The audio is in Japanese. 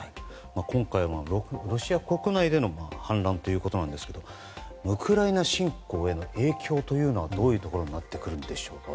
今回、ロシア国内での反乱ということなんですがウクライナ侵攻への影響というのはどういうところになってくるんでしょうか。